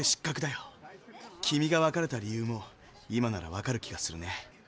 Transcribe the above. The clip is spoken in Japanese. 君が別れた理由も今ならわかる気がするね。